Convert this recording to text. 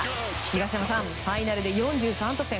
東山さんファイナルで４３得点。